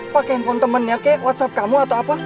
pakein phone temennya kayak whatsapp kamu atau apa